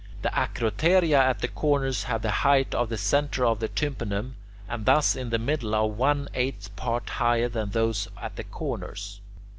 The acroteria at the corners have the height of the centre of the tympanum, and those in the middle are one eighth part higher than those at the corners.